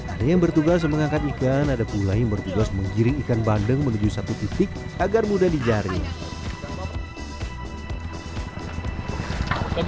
ada yang bertugas mengangkat ikan ada pula yang bertugas menggiring ikan bandeng menuju satu titik agar mudah dijaring